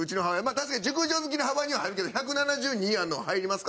確かに熟女好きの幅には入るけど１７２あるのは入りますか？